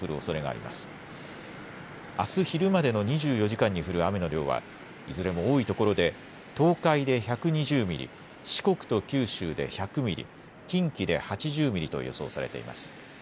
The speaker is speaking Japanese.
あす昼までの２４時間に降る雨の量は、いずれも多い所で東海で１２０ミリ、四国と九州で１００ミリ、近畿で８０ミリと予想されています。